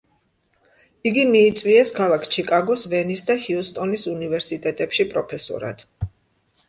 იგი მიიწვიეს ქალაქ ჩიკაგოს, ვენის და ჰიუსტონის უნივერსიტეტებში პროფესორად.